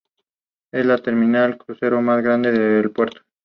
La iglesia se ha ampliado de manera significativa y alterado con el tiempo.